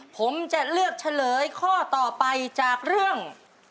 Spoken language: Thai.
ผมจะเลือกเฉลยข้อต่อไปจากเรื่อง